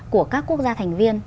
của các quốc gia thành viên